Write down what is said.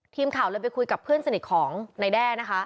ทีมข่าวเลยไปคุยกับเพื่อนสนิทของนายแด้นะคะ